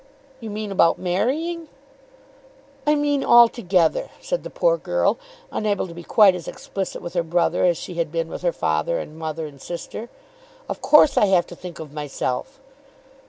"You mean about marrying?" "I mean altogether," said the poor girl, unable to be quite as explicit with her brother, as she had been with her father, and mother, and sister. "Of course I have to think of myself."